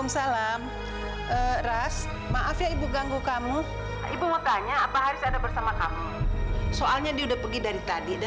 sampai jumpa di video selanjutnya